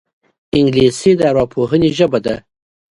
انګلیسي د ارواپوهنې ژبه ده